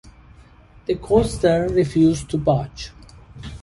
The coaster refused to budge.